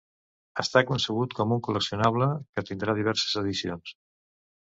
Està concebut com un col·leccionable que tindrà diverses edicions.